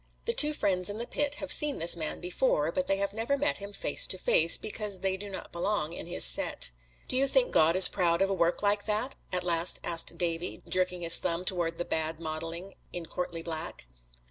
The two friends in the pit have seen this man before, but they have never met him face to face, because they do not belong to his set. "Do you think God is proud of a work like that?" at last asked Davy, jerking his thumb toward the bad modeling in courtly black.